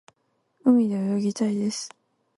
海で泳ぎたいです。